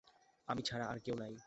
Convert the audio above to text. আমি ছাড়া আর কেউ নাই।